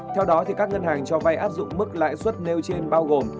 theo đó các ngân hàng cho vay áp dụng mức lãi suất nêu trên bao gồm